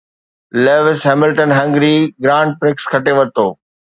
Lewis Hamilton Hungary grand prix کٽي ورتو